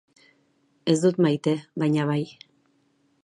Ez dut maite baina bai.